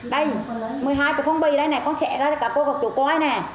đây một mươi hai cái phong bì đây nè con xẻ ra cho các cô các chủ coi nè